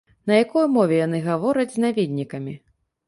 На якой мове яны гавораць з наведнікамі?